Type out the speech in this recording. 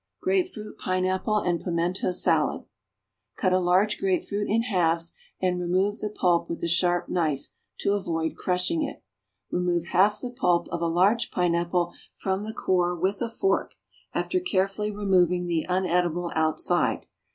=Grapefruit, Pineapple, and Pimento Salad.= Cut a large grapefruit in halves and remove the pulp with a sharp knife to avoid crushing it; remove half the pulp of a large pineapple from the core with a fork, after carefully removing the unedible outside.